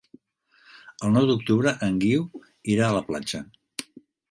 El nou d'octubre en Guiu irà a la platja.